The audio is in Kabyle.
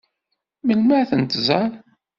Melmi ad tent-tẓeṛ?